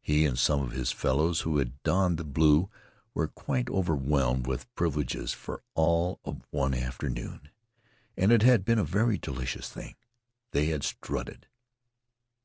He and some of his fellows who had donned blue were quite overwhelmed with privileges for all of one afternoon, and it had been a very delicious thing. They had strutted.